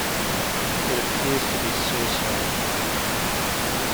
It appears to be suicide.